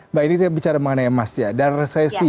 mbak ini kita bicara mengenai emas ya dan resesi